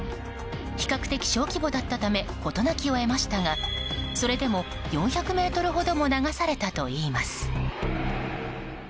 比較的小規模だったため事なきを得ましたがそれでも、４００ｍほども流されたといいます。